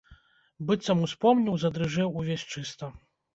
Быццам успомніў, задрыжэў увесь чыста.